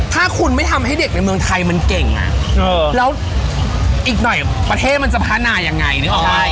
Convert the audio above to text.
ถ้าคุณไม่ทำให้เด็กในเมืองไทยมันเก่งแล้วอีกหน่อยประเทศมันจะพัฒนายังไงนึกออกไหม